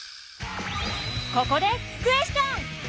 ここでクエスチョン！